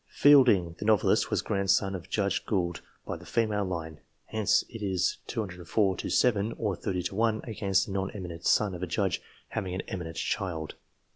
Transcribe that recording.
Fielding, the novelist, was grandson of Judge Gould, by the female line. Hence it is 204 to 7, or 30 to 1, against the non eminent son of a judge having an eminent child.